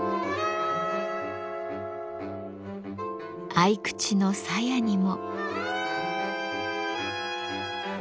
合口のさやにも。